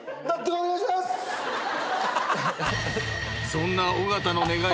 ［そんな］